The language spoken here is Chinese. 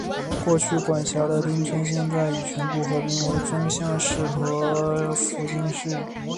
过去管辖的町村现已全部合并为宗像市和福津市。